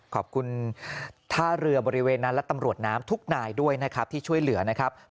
ขอบคุณท่าเรือบริเวณนั้นและตำรวจน้ำทุกนายด้วยนะครับที่ช่วยเหลือนะครับ